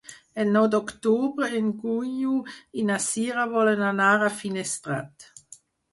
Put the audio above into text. El nou d'octubre en Guiu i na Sira volen anar a Finestrat.